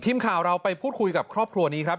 ทีมข่าวเราไปพูดคุยกับครอบครัวนี้ครับ